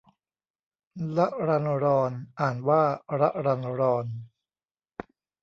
รรรรร อ่านว่า ระรันรอน